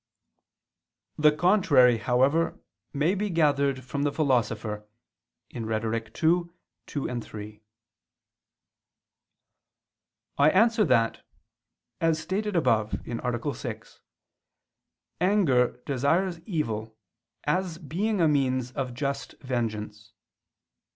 The contrary, however, may be gathered from the Philosopher (Rhet. ii, 2, 3). I answer that, As stated above (A. 6), anger desires evil as being a means of just vengeance.